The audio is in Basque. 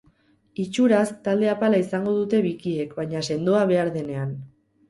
Itxuraz talde apala izango dute bikiek, baina sendoa behar denean.